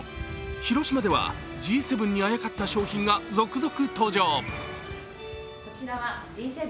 広島ではＧ７にあやかった商品が続々登場。